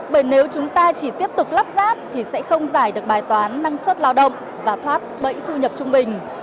bởi nếu chúng ta chỉ tiếp tục lắp ráp thì sẽ không giải được bài toán năng suất lao động và thoát bẫy thu nhập trung bình